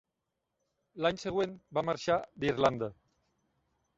L'any següent, va marxar d'Irlanda.